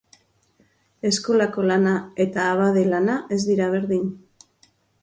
Eskolako lana eta abade lana ez dira berdin.